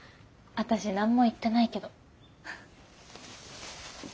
私何も言ってないけど。